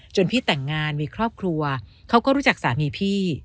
พี่แต่งงานมีครอบครัวเขาก็รู้จักสามีพี่